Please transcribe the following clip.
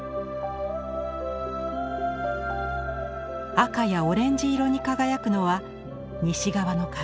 赤やオレンジ色に輝くのは西側の壁。